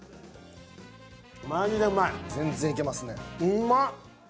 うまっ。